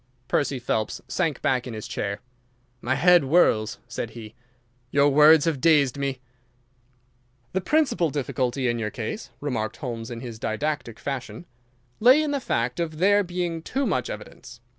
Percy Phelps sank back in his chair. "My head whirls," said he. "Your words have dazed me." "The principal difficulty in your case," remarked Holmes, in his didactic fashion, "lay in the fact of there being too much evidence.